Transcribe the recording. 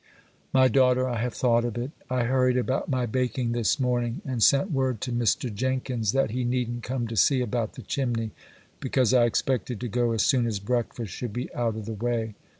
'My daughter, I have thought of it. I hurried about my baking this morning, and sent word to Mr. Jenkyns that he needn't come to see about the chimney, because I expected to go as soon as breakfast should be out of the way.